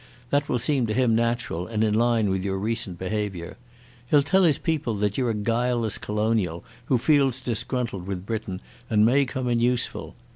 That will seem to him natural and in line with your recent behaviour. He'll tell his people that you're a guileless colonial who feels disgruntled with Britain, and may come in useful.